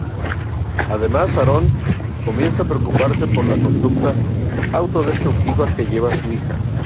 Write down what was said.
Además Aaron comienza a preocuparse por la conducta autodestructiva que lleva su hija.